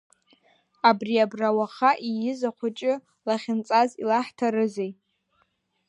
Абри абра уаха ииз ахәҷы лахьынҵас илаҳҭарызеи?